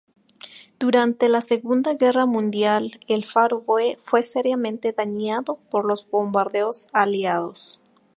Durante la Segunda Guerra Mundial, el faro fue seriamente dañado por los bombardeos aliados.